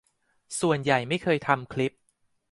ส่วนใหญ่ไม่เคยทำคลิป